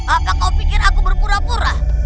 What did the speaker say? apakah kau pikir aku berpura pura